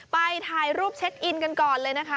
ไปถ่ายรูปเช็คอินกันก่อนเลยนะคะ